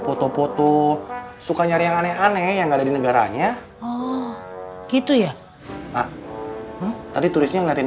foto foto suka nyari yang aneh aneh yang ada di negaranya gitu ya tadi turisnya ngeliatin